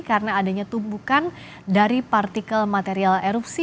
karena adanya tumbukan dari partikel material erupsi